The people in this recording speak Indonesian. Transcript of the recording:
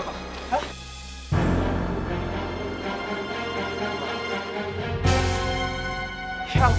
terima kasih senangnya